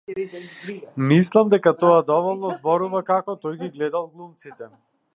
Мислам дека тоа доволно зборува како тој ги гледал глумците.